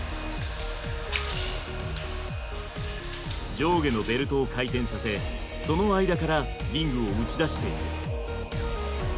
上下のベルトを回転させその間からリングを打ち出している。